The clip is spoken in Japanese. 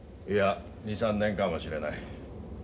いや２３年かもしれない。